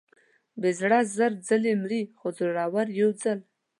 بې زړه زر ځلې مري، خو زړور یو ځل.